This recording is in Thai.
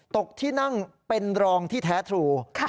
ตกที่นั่งเป็นรองที่แท้ทรู